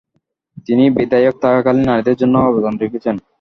তিনি বিধায়ক থাকাকালীন নারীদের জন্য অবদান রেখেছেন।